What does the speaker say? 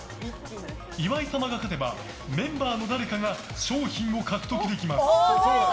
岩井様が勝てばメンバーの誰かが賞品を獲得できます。